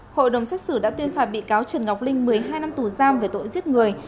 hội đồng xét xử đã tuyên phạt bị cáo trần ngọc linh một mươi hai năm tù giam về tội giết người